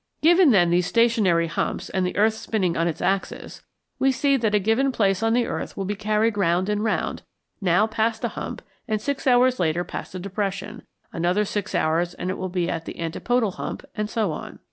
Given, then, these stationary humps and the earth spinning on its axis, we see that a given place on the earth will be carried round and round, now past a hump, and six hours later past a depression: another six hours and it will be at the antipodal hump, and so on.